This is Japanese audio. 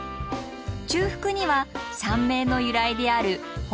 中腹には山名の由来である鳳来寺。